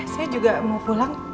saya juga mau pulang